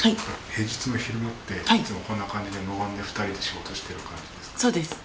平日の昼間っていつもこんな感じで無言で２人で仕事している感じですか？